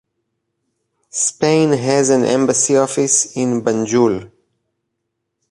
Spain has an embassy office in Banjul.